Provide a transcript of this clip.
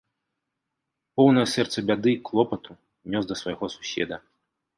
Поўнае сэрца бяды, клопату нёс да свайго суседа.